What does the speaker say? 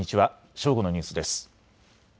正午のニュースです。